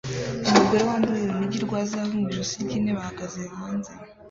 Umugore wambaye urunigi rwa zahabu mu ijosi ry'intebe ahagaze hanze